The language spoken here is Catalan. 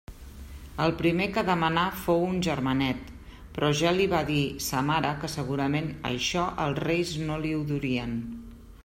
El primer que demanà fou un germanet, però ja li va dir sa mare que segurament «això» els Reis no li ho durien.